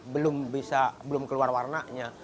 belum bisa belum keluar warnanya